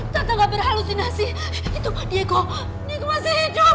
tante gak berhalusinasi itu diego diego masih hidup